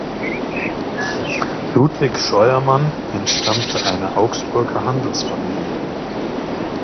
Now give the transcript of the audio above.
Ludwig Scheuermann entstammte einer Augsburger Handelsfamilie.